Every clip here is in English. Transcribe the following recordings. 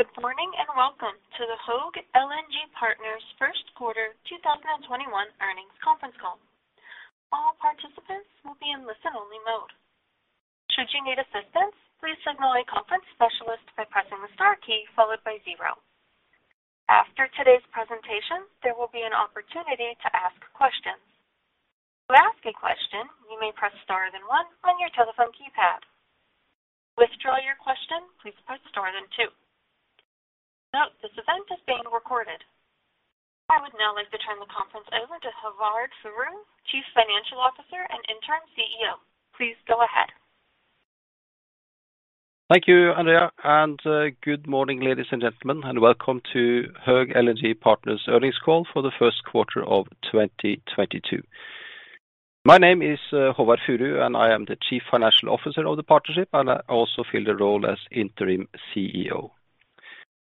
Good morning, and welcome to the Höegh LNG Partners Q1 2021 Earnings Conference Call. All participants will be in listen-only mode. Should you need assistance, please signal a conference specialist by pressing the star key followed by zero. After today's presentation, there will be an opportunity to ask questions. To ask a question, you may press star then one on your telephone keypad. To withdraw your question, please press star then two. Note this event is being recorded. I would now like to turn the conference over to Håvard Furu, Chief Financial Officer and Interim CEO. Please go ahead. Thank you, Andrea, and good morning, ladies and gentlemen, and welcome to Höegh LNG Partners Earnings Call for Q1 of 2022. My name is Håvard Furu, and I am the Chief Financial Officer of the partnership, and I also fill the role as interim CEO.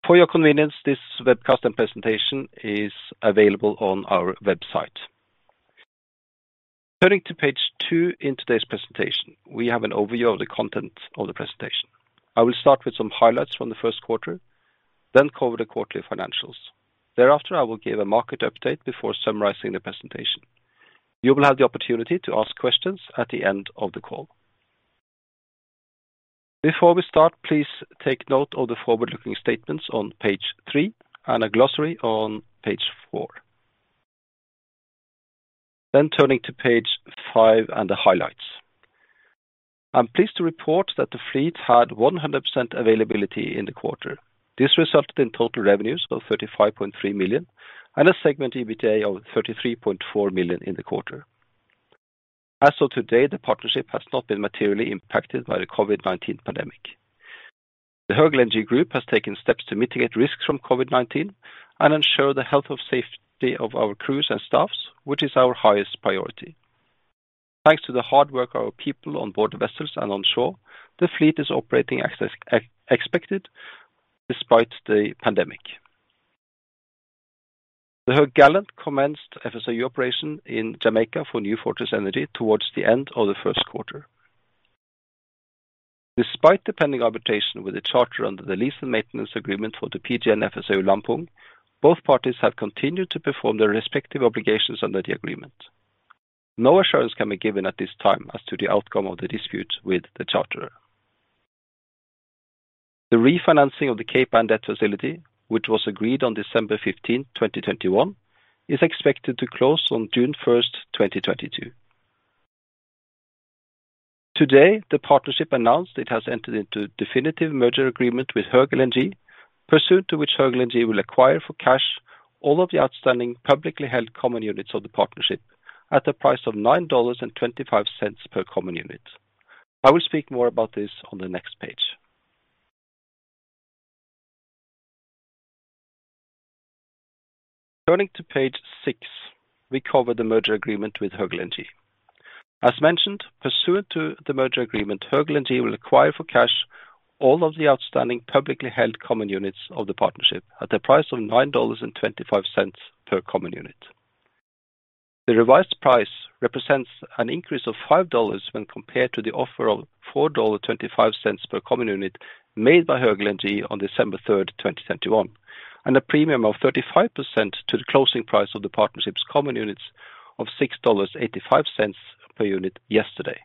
For your convenience, this webcast and presentation is available on our website. Turning to page two in today's presentation, we have an overview of the content of the presentation. I will start with some highlights from Q1, then cover the quarterly financials. Thereafter, I will give a market update before summarizing the presentation. You will have the opportunity to ask questions at the end of the call. Before we start, please take note of the forward-looking statements on page three and a glossary on page four. Turning to page five and the highlights. I'm pleased to report that the fleet had 100% availability in the quarter. This resulted in total revenues of $35.3 million and a segment EBITDA of $33.4 million in the quarter. As of today, the partnership has not been materially impacted by the COVID-19 pandemic. The Höegh LNG group has taken steps to mitigate risks from COVID-19 and ensure the health and safety of our crews and staffs, which is our highest priority. Thanks to the hard work of our people on board vessels and onshore, the fleet is operating as expected despite the pandemic. The Höegh Gallant commenced FSRU operation in Jamaica for New Fortress Energy towards the end of Q1. Despite the pending arbitration with the charterer under the lease and maintenance agreement for the PGN FSRU Lampung, both parties have continued to perform their respective obligations under the agreement. No assurance can be given at this time as to the outcome of the dispute with the charterer. The refinancing of the CAPEX debt facility, which was agreed on December 15, 2021, is expected to close on June 1, 2022. Today, the partnership announced it has entered into a definitive merger agreement with Höegh LNG, pursuant to which Höegh LNG will acquire for cash all of the outstanding publicly held common units of the partnership at a price of $9.25 per common unit. I will speak more about this on the next page. Turning to page six, we cover the merger agreement with Höegh LNG. As mentioned, pursuant to the merger agreement, Höegh LNG will acquire for cash all of the outstanding publicly held common units of the partnership at the price of $9.25 per common unit. The revised price represents an increase of $5 when compared to the offer of 4.25 per common unit made by Höegh LNG on December 3, 2021, and a premium of 35% to the closing price of the partnership's common units of $6.85 per unit yesterday.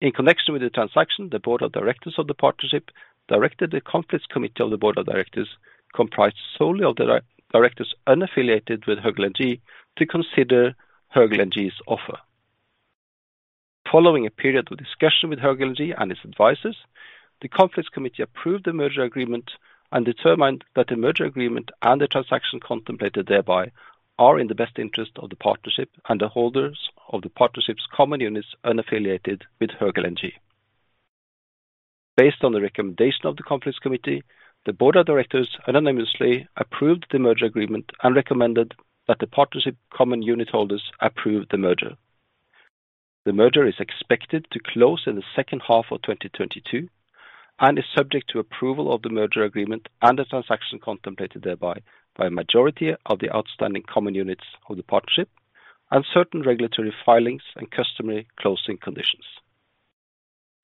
In connection with the transaction, the board of directors of the partnership directed the conflicts committee of the board of directors, comprised solely of the directors unaffiliated with Höegh LNG, to consider Höegh LNG's offer. Following a period of discussion with Höegh LNG and its advisors, the conflicts committee approved the merger agreement and determined that the merger agreement and the transaction contemplated thereby are in the best interest of the partnership and the holders of the partnership's common units unaffiliated with Höegh LNG. Based on the recommendation of the conflicts committee, the board of directors unanimously approved the merger agreement and recommended that the partnership common unit holders approve the merger. The merger is expected to close in the second half of 2022 and is subject to approval of the merger agreement and the transaction contemplated thereby by a majority of the outstanding common units of the partnership and certain regulatory filings and customary closing conditions.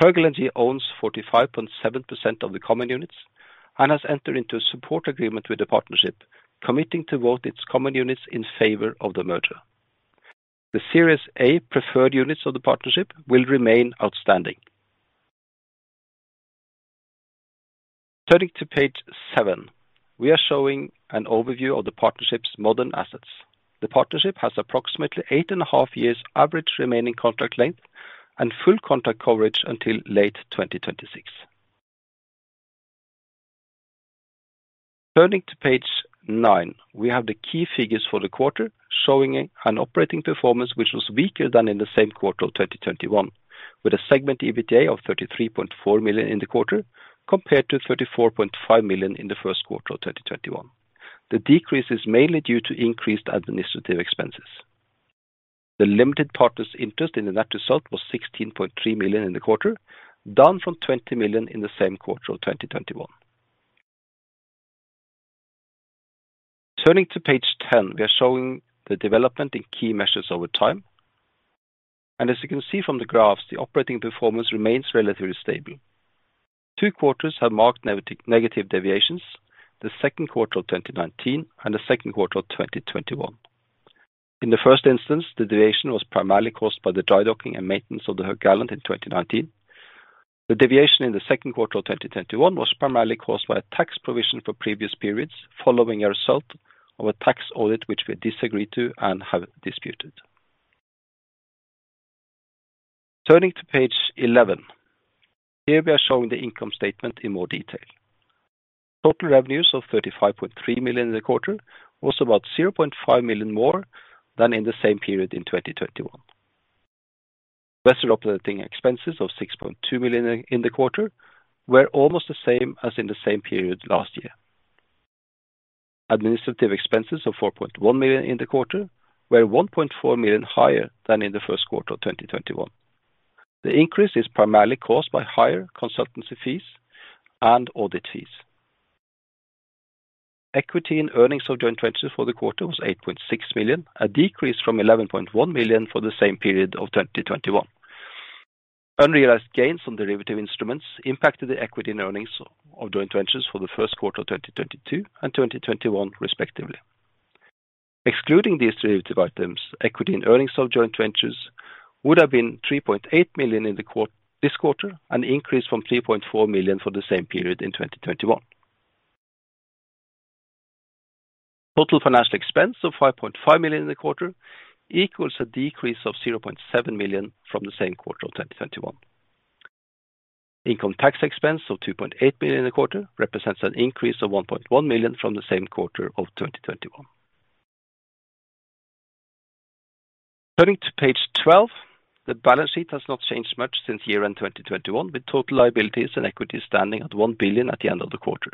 Höegh LNG owns 45.7% of the common units and has entered into a support agreement with the partnership, committing to vote its common units in favor of the merger. The Series A preferred units of the partnership will remain outstanding. Turning to page seven, we are showing an overview of the partnership's modern assets. The partnership has approximately eight and a half years average remaining contract length and full contract coverage until late 2026. Turning to page nine, we have the key figures for the quarter showing an operating performance which was weaker than in the same quarter of 2021, with a segment EBITDA of $33.4 in the quarter compared to 34.5 million in Q1 of 2021. The decrease is mainly due to increased administrative expenses. The limited partner's interest in the net result was $16.3 million in the quarter, down from 20 million in the same quarter of 2021. Turning to page 10, we are showing the development in key measures over time. As you can see from the graphs, the operating performance remains relatively stable. Two quarters have marked negative deviations, Q2 of 2019 and 2021. In the first instance, the deviation was primarily caused by the dry docking and maintenance of the Höegh Gallant in 2019. The deviation in Q2 of 2021 was primarily caused by a tax provision for previous periods following a result of a tax audit which we disagree to and have disputed. Turning to page 11. Here we are showing the income statement in more detail. Total revenues of $35.3 million in the quarter was about $0.5 million more than in the same period in 2021. Vessel operating expenses of $6.2 million in the quarter were almost the same as in the same period last year. Administrative expenses of $4.1 million in the quarter were $1.4 million higher than in Q1 of 2021. The increase is primarily caused by higher consultancy fees and audit fees. Equity and earnings of joint ventures for the quarter was $8.6 million, a decrease from 11.1 million for the same period of 2021. Unrealized gains on derivative instruments impacted the equity and earnings of joint ventures for Q1 of 2022 and 2021 respectively. Excluding these derivative items, equity and earnings of joint ventures would have been $3.8 million in this quarter, an increase from $3.4 million for the same period in 2021. Total financial expense of $5.5 million in the quarter equals a decrease of 0.7 million from the same quarter of 2021. Income tax expense of $2.8 million a quarter represents an increase of 1.1 million from the same quarter of 2021. Turning to page 12. The balance sheet has not changed much since year-end 2021, with total liabilities and equity standing at $1 billion at the end of the quarter.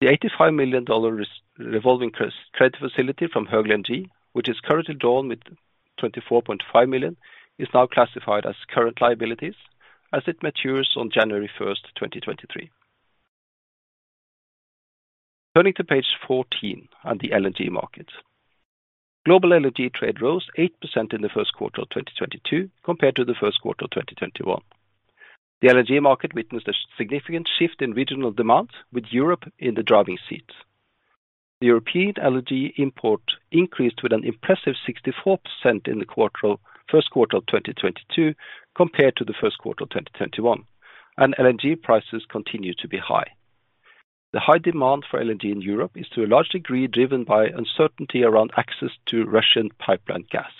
The $85 million revolving credit facility from Höegh LNG, which is currently drawn with $24.5 million, is now classified as current liabilities as it matures on January 1, 2023. Turning to page 14 and the LNG market. Global LNG trade rose 8% in Q1 of 2022 compared to the first quarter of 2021. The LNG market witnessed a significant shift in regional demand, with Europe in the driving seat. The European LNG import increased with an impressive 64% in Q1 of 2022 compared to Q1 of 2021, and LNG prices continue to be high. The high demand for LNG in Europe is to a large degree driven by uncertainty around access to Russian pipeline gas.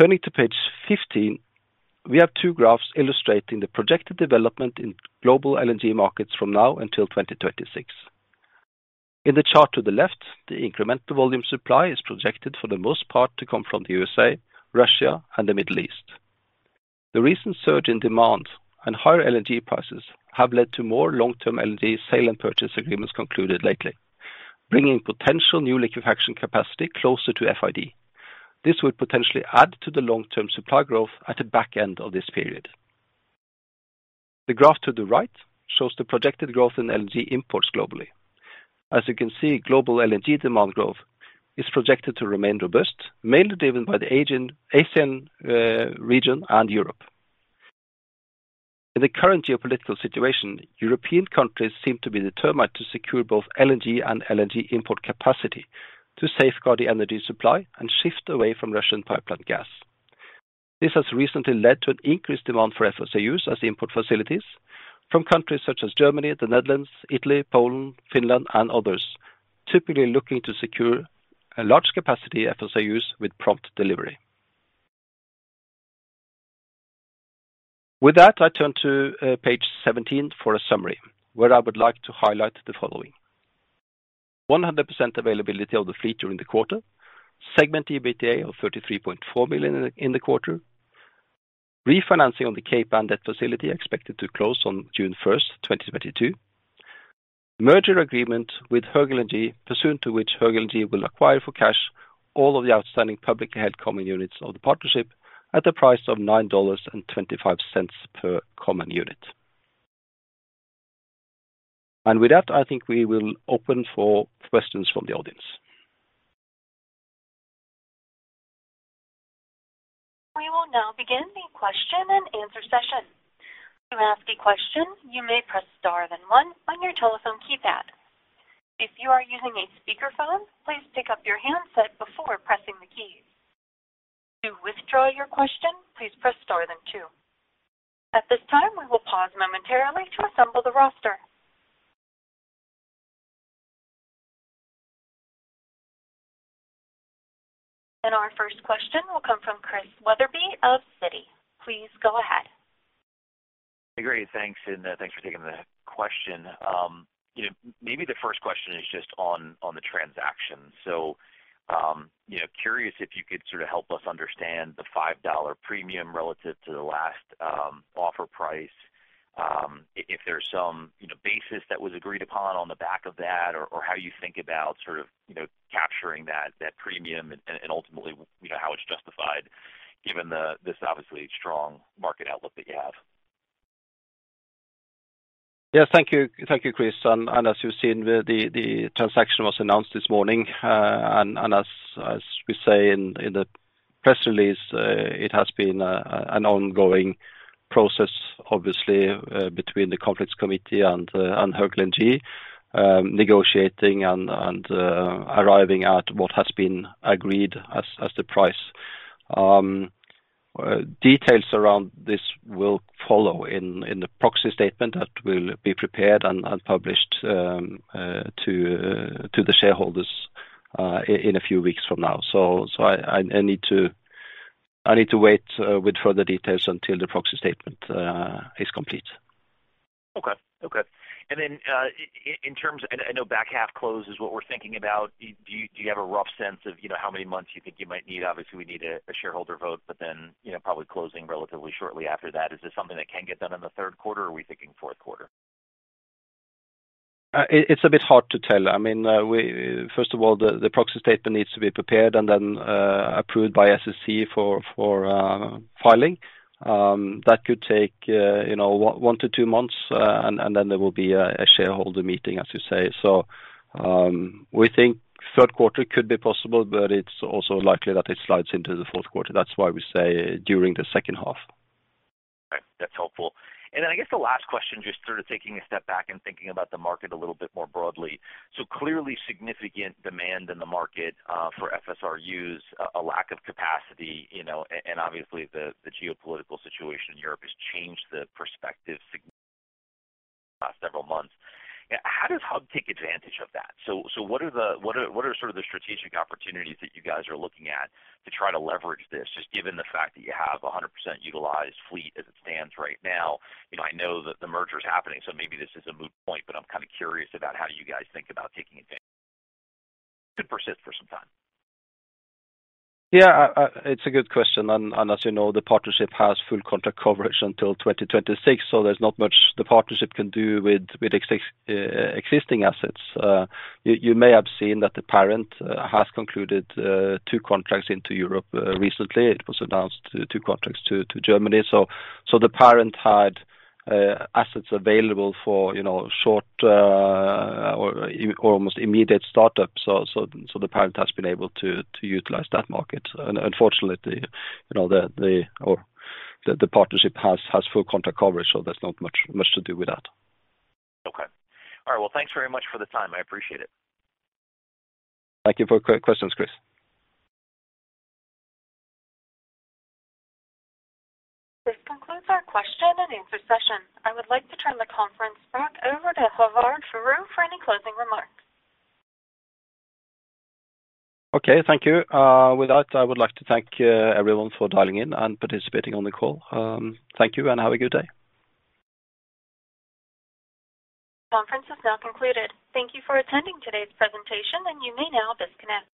Turning to page 15, we have two graphs illustrating the projected development in global LNG markets from now until 2026. In the chart to the left, the incremental volume supply is projected for the most part to come from the USA, Russia, and the Middle East. The recent surge in demand and higher LNG prices have led to more long-term LNG sale and purchase agreements concluded lately, bringing potential new liquefaction capacity closer to FID. This would potentially add to the long-term supply growth at the back end of this period. The graph to the right shows the projected growth in LNG imports globally. As you can see, global LNG demand growth is projected to remain robust, mainly driven by the Asian region and Europe. In the current geopolitical situation, European countries seem to be determined to secure both LNG and LNG import capacity to safeguard the energy supply and shift away from Russian pipeline gas. This has recently led to an increased demand for FSRUs as import facilities from countries such as Germany, the Netherlands, Italy, Poland, Finland, and others, typically looking to secure a large capacity FSRUs with prompt delivery. With that, I turn to page 17 for a summary where I would like to highlight the following. 100% availability of the fleet during the quarter. Segment EBITDA of $33.4 million in the quarter. Refinancing on the CapEx debt facility expected to close on June 1, 2022. Merger agreement with Höegh LNG pursuant to which Höegh LNG will acquire for cash all of the outstanding publicly held common units of the partnership at a price of $9.25 per common unit. With that, I think we will open for questions from the audience. We will now begin the question and answer session. To ask a question, you may press star then one on your telephone keypad. If you are using a speaker phone, please pick up your handset before pressing the keys. To withdraw your question, please press star then two. At this time, we will pause momentarily to assemble the roster. Our first question will come from Christian Wetherbee of Citi. Please go ahead. Great. Thanks. Thanks for taking the question. You know, maybe the first question is just on the transaction. You know, curious if you could sort of help us understand the $5 premium relative to the last offer price. If there's some, you know, basis that was agreed upon on the back of that or how you think about sort of, you know, capturing that premium and ultimately, you know, how it's justified given this obviously strong market outlook that you have. Yes, thank you. Thank you, Chris. As you've seen, the transaction was announced this morning. As we say in the press release, it has been an ongoing process, obviously, between the conflicts committee and Höegh LNG, negotiating and arriving at what has been agreed as the price. Details around this will follow in the proxy statement that will be prepared and published to the shareholders in a few weeks from now. I need to wait with further details until the proxy statement is complete. I know back half close is what we're thinking about. Do you have a rough sense of, you know, how many months you think you might need? Obviously, we need a shareholder vote, but then, you know, probably closing relatively shortly after that. Is this something that can get done in Q3, or are we thinking Q4? It's a bit hard to tell. I mean, first of all, the proxy statement needs to be prepared and then approved by SEC for filing. That could take, you know, one to two months, and then there will be a shareholder meeting, as you say. We think Q3 could be possible, but it's also likely that it slides into Q4. That's why we say during the second half. Okay, that's helpful. Then I guess the last question, just sort of taking a step back and thinking about the market a little bit more broadly. Clearly significant demand in the market for FSRUs, a lack of capacity, you know, and obviously the geopolitical situation in Europe has changed the perspective significantly in the last several months. How does Höegh take advantage of that? What are sort of the strategic opportunities that you guys are looking at to try to leverage this, just given the fact that you have a 100% utilized fleet as it stands right now? You know, I know that the merger is happening, so maybe this is a moot point, but I'm kind of curious about how you guys think about taking advantage could persist for some time. Yeah. It's a good question. As you know, the partnership has full contract coverage until 2026, so there's not much the partnership can do with existing assets. You may have seen that the parent has concluded two contracts into Europe recently. It was announced two contracts to Germany. The parent had assets available for, you know, short or almost immediate startup. The parent has been able to utilize that market. Unfortunately, you know, the partnership has full contract coverage, so there's not much to do with that. Okay. All right. Well, thanks very much for the time. I appreciate it. Thank you for questions, Chris. This concludes our question and answer session. I would like to turn the conference back over to Håvard Furu for any closing remarks. Okay. Thank you. With that, I would like to thank everyone for dialing in and participating on the call. Thank you and have a good day. Conference is now concluded. Thank you for attending today's presentation, and you may now disconnect.